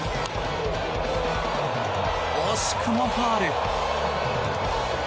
惜しくもファウル。